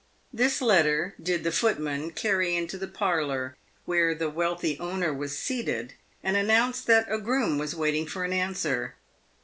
This letter did the foot PAVED "WITH GOLD. 381 man carry into the parlour, where the wealthy owner was seated, and announced that a groom was waiting for an answer.